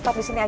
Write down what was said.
iya disini aja